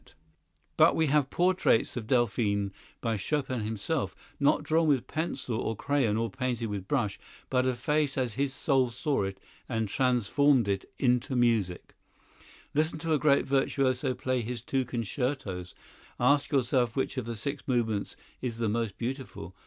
[Illustration: Frédéric Chopin (missing from book)] But we have portraits of Delphine by Chopin himself, not drawn with pencil or crayon, or painted with brush, but her face as his soul saw it and transformed it into music. Listen to a great virtuoso play his two concertos. Ask yourself which of the six movements is the most beautiful.